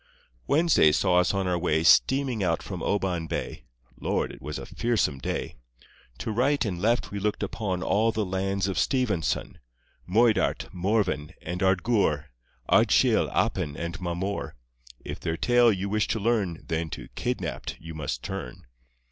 Wednesday saw us on our way Steaming out from Oban Bay, (Lord, it was a fearsome day!) To right and left we looked upon All the lands of Stevenson — Moidart, Morven, and Ardgour, Ardshiel, Appin, and Mamore — If their tale you wish to learn Then to "Kidnapped" you must turn.